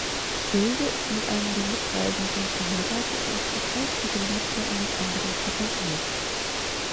Hilde ist mit einem der Mitreisenden verheiratet und zugleich die Geliebte eines anderen Passagiers.